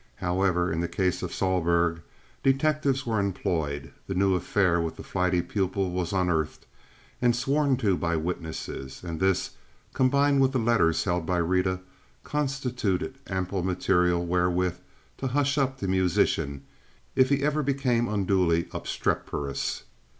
However, in the case of Sohlberg, detectives were employed, the new affair with the flighty pupil was unearthed and sworn to by witnesses, and this, combined with the "lettahs" held by Rita, constituted ample material wherewith to "hush up" the musician if ever he became unduly obstreperous.